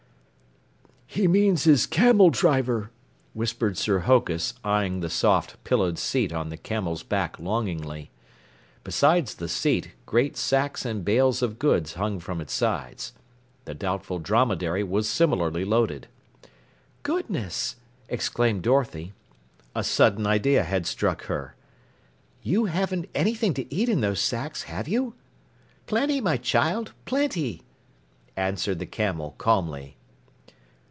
"He means his camel driver," whispered Sir Hokus, eyeing the soft, pillowed seat on the camel's back longingly. Besides the seat, great sacks and bales of goods hung from its sides. The Doubtful Dromedary was similarly loaded. "Goodness!" exclaimed Dorothy. A sudden idea had struck her. "You haven't anything to eat in those sacks, have you?" "Plenty, my child plenty!" answered the Camel calmly.